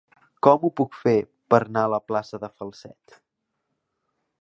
Com ho puc fer per anar a la plaça de Falset?